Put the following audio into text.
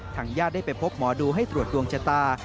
ญาติได้ไปพบหมอดูให้ตรวจดวงชะตา